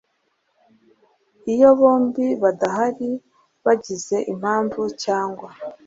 Iyo bombi badahari bagize impamvu cyangwa